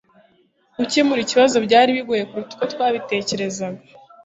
gukemura ikibazo byari bigoye kuruta uko twabitekerezaga